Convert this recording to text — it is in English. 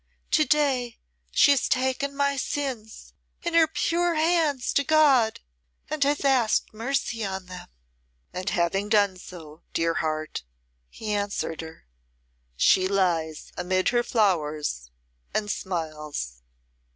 "To day she has taken my sins in her pure hands to God and has asked mercy on them." "And so having done, dear Heart," he answered her, "she lies amid her flowers, and smiles."